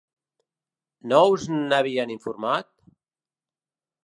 No us n’havien informat?